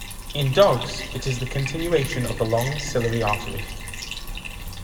In dogs, it is the continuation of the long ciliary artery.